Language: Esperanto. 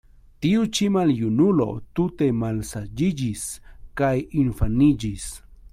Tiu ĉi maljunulo tute malsaĝiĝis kaj infaniĝis.